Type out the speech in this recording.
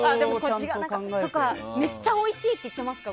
めっちゃおいしいって言ってますか？